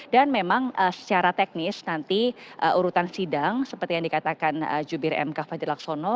dan memang secara teknis nanti urutan sidang seperti yang dikatakan juru bk fajar laksono